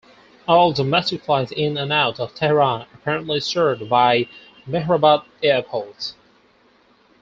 All domestic flights in and out of Tehran are currently served by Mehrabad Airport.